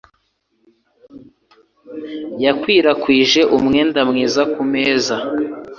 Yakwirakwije umwenda mwiza ku meza.